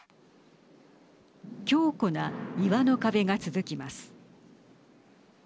強固な岩の壁が続きます。